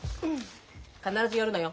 必ず寄るのよ。